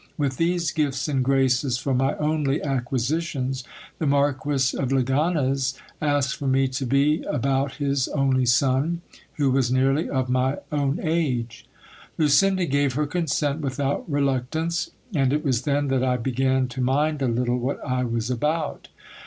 With these gifts and graces for my only acqui sitions, the Marquis of Leganez asked for me to be about his only son, who was nearly of my own age. Lucinda gave her consent without reluctance, and it was then that I began to mind a little what I was about.